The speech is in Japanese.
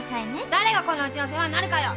誰がこんなうちの世話になるかよ！